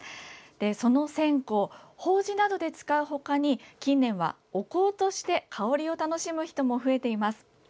その線香、法事などで使うほかに近年は、お香として香りを楽しむ人も増えています。